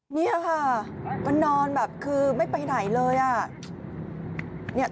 นี่ค่ะมันนอนแบบคือไม่ไปไหนเลยอ่ะ